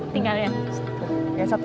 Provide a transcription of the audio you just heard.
tinggal yang satu